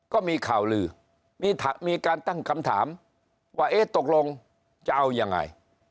ก็มีข่าวลือมีการตั้งคำถามว่าเอ๊ะตกลงจะเอายังไง